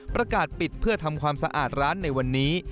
ประกาศปิดเพื่อทำความสะอาดร้านในวันนี้